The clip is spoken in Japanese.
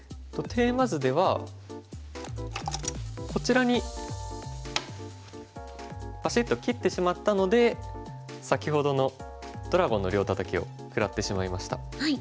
テーマ図ではこちらにバシッと切ってしまったので先ほどのドラゴンの両タタキを食らってしまいました。